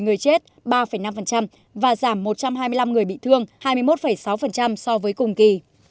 giảm ba năm phần trăm và giảm một trăm hai mươi năm người bị thương hai mươi một sáu phần trăm so với cùng kỳ